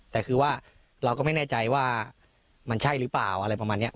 แต่คือว่าเราก็ไม่แน่ใจว่ามันใช่หรือเปล่าอะไรประมาณนี้